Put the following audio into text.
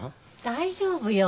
大丈夫よ。